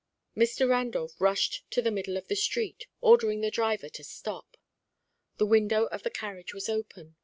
Mr. Randolph rushed to the middle of the street, ordering the driver to stop. The window of the carriage was open.